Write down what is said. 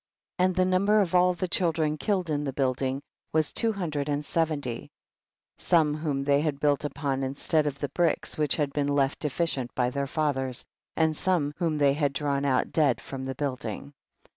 20. And the number of all the children killed in the building was two hundred and seventy, some whom they had built upon instead of the bricks which had been left de ficient by their fathers, and some whom they had drawn out dead from the building.